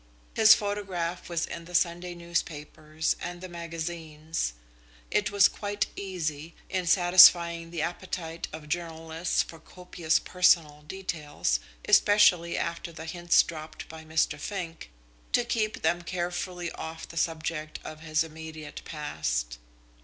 His photograph was in the Sunday newspapers and the magazines. It was quite easy, in satisfying the appetite of journalists for copious personal details, especially after the hints dropped by Mr. Fink, to keep them carefully off the subject of his immediate past.